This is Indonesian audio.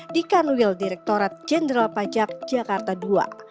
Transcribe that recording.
dikanwil direktorat jenderal pajak jakarta ii